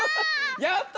やった！